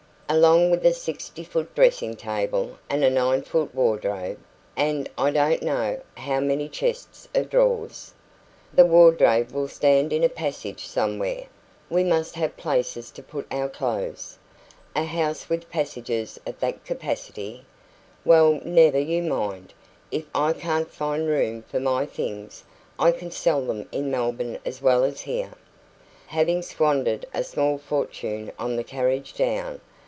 "Along with a six foot dressing table, and a nine foot wardrobe, and I don't know how many chests of drawers " "The wardrobe will stand in a passage somewhere. We must have places to put our clothes." "A house with passages of that capacity " "Well, never you mind. If I can't find room for my things, I can sell them in Melbourne as well as here." "Having squandered a small fortune on the carriage down.